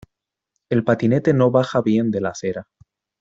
El patinete no baja bien de la acera.